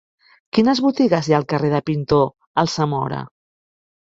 Quines botigues hi ha al carrer del Pintor Alsamora?